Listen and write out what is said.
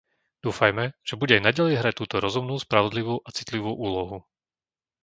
Dúfajme, že bude aj naďalej hrať túto rozumnú, spravodlivú a citlivú úlohu.